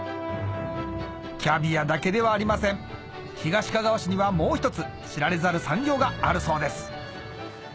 キャビアだけではありません東かがわ市にはもう一つ知られざる産業があるそうです